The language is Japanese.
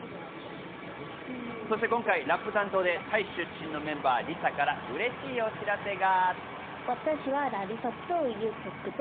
今回ラップ担当でタイ出身のメンバー、ＬＩＳＡからうれしいお知らせが。